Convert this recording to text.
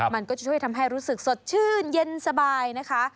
มันก็จะช่วยทำให้รู้สึกสดชื่นเย็นสบายนะคะ